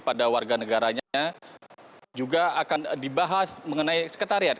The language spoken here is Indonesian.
pada warga negaranya juga akan dibahas mengenai sekretariat